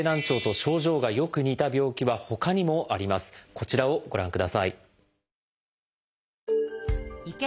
こちらをご覧ください。